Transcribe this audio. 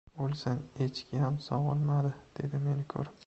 — O‘lsin, echkiyam sog‘ilmadi, — dedi meni ko‘rib.